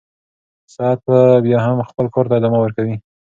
ساعت به بیا هم خپل کار ته ادامه ورکوي.